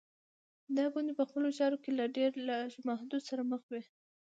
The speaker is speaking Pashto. دا ګوند په خپلو چارو کې له ډېر لږ محدودیت سره مخ و.